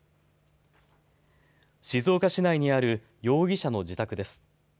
静岡市内にある容疑者の自宅です。